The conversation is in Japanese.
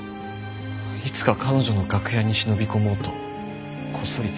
いつか彼女の楽屋に忍び込もうとこっそり作った。